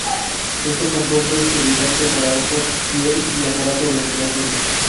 Este compuesto es irritante para ojos, piel y aparato respiratorio.